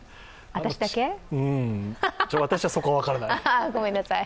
私は、そこは分からない。